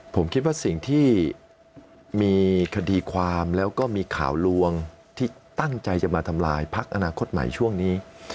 ผมคิดว่าสิ่งที่มีคดีความแล้วก็มีข่าวลวงที่ตั้งใจจะมาทำลายพักอนาคตใหม่ช่วงนี้